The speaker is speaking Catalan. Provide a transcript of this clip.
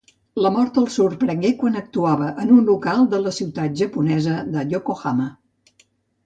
La mort el sorprengué quan actuava en un local de la ciutat japonesa de Yokohama.